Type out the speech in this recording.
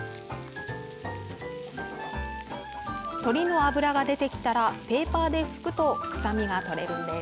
鶏の脂が出てきたらペーパーで拭くと臭みが取れるんです。